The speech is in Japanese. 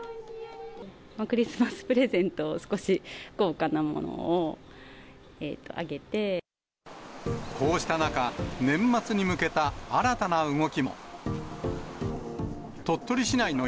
クリスマスプレゼントを少しこうした中、年末に向けた新たな動きも。